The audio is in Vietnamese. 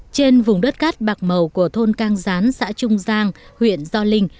trên vùng đất cát bạc màu của thôn cang gián xã trung giang huyện gio linh